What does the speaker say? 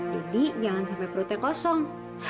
jadi jangan sampai perutnya kosong